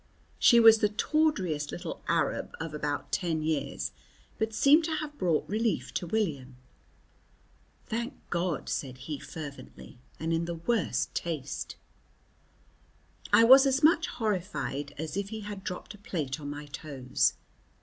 She was the tawdriest little Arab of about ten years, but seemed to have brought relief to William. "Thank God!" said he fervently, and in the worst taste. I was as much horrified as if he had dropped a plate on my toes.